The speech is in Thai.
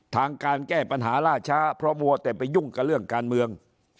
ทางการแก้ปัญหาล่าช้าเพราะมัวแต่ไปยุ่งกับเรื่องการเมือง